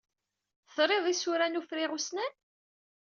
Trid isura n uferriɣ ussnan?